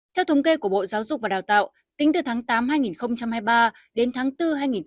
theo thống kê của bộ giáo dục và đào tạo tính từ tháng tám hai nghìn hai mươi ba đến tháng bốn hai nghìn hai mươi ba